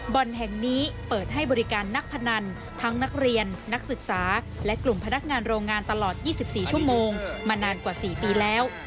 บ่อนแห่งนี้เปิดให้บริการนักพนันทั้งนักเรียนนักศึกษาและกลุ่มพนักงานโรงงานตลอด๒๔ชั่วโมงมานานกว่า๔ปีแล้ว